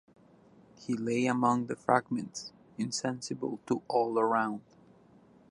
He lay among the fragments, insensible to all around.